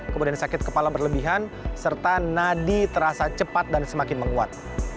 kemudian sakit kepala berlebihan serta nadi terasa cepat dan semakin menguat